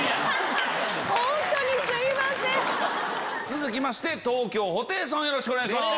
続きまして東京ホテイソンよろしくお願いします。